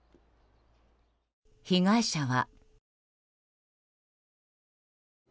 被害者は。